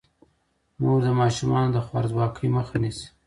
مور د ماشومانو د خوارځواکۍ مخه نیسي.